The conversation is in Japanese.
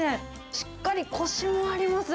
しっかりこしもあります。